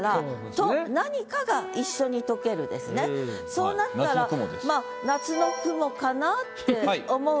そうなったらまあ夏の雲かなって思うわけです。